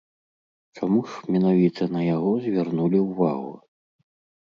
Чаму ж менавіта на яго звярнулі ўвагу?